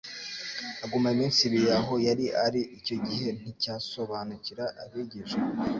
Aguma iminsi ibiri aho yari ari. Icyo gihe nticyasobanukira abigishwa